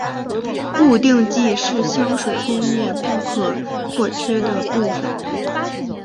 固定剂是香水工业不可或缺的部份。